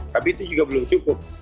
tapi itu juga belum cukup